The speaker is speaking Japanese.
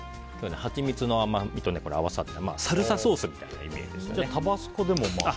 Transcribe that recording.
ハチミツの甘みと合わさってサルサソースみたいなイメージですね。